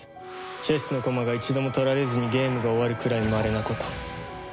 チェスの駒が一度も取られずにゲームが終わるくらいまれなこと。